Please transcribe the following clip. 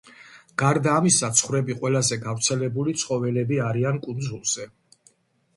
გარდა ამისა, ცხვრები ყველაზე გავრცელებული ცხოველები არიან კუნძულებზე.